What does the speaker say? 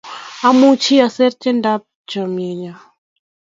Amuchi asir tiendap chamyenyo